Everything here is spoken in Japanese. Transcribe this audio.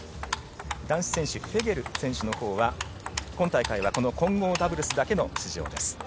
男子選手、フェゲル選手のほうは今大会は混合ダブルスだけの出場です。